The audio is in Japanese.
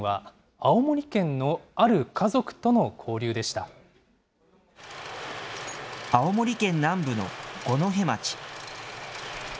青森県南部の五戸町。